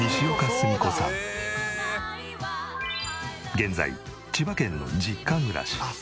現在千葉県の実家暮らし。